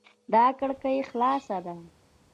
دا کړکي خلاصه ده